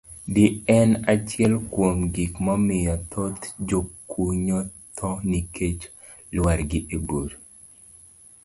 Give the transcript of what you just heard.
D. en achiel kuom gik mamiyo thoth jokunyo tho nikech lwargi e bur.